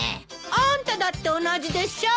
あーんただって同じでしょ？